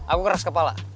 aku keras kepala